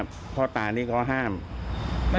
พี่เราจับใจความว่า